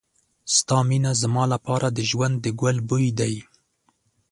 ستا مینه زما لپاره د ژوند د ګل بوی دی.